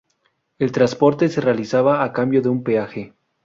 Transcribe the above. El transporte se realizaba a cambio de un peaje.